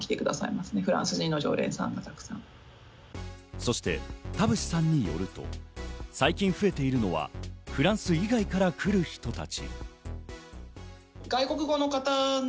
そして田淵さんによると、最近増えているのはフランス以外から来る人たち。